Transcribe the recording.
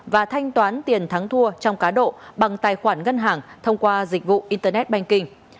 và thanh toán tiền thắng thua trong cá độ bằng tài khoản ngân hàng thông qua dịch vụ internet banking